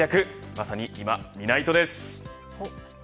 まさに、いまみないとです。